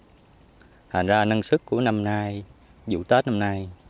thành ra năng sức của năm nay vụ tết năm nay